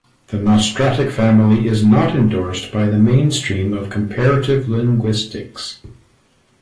The Nostratic family is not endorsed by the mainstream of comparative linguistics.